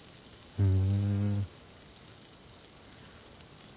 うん。